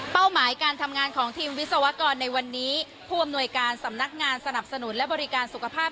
หมายการทำงานของทีมวิศวกรในวันนี้ผู้อำนวยการสำนักงานสนับสนุนและบริการสุขภาพ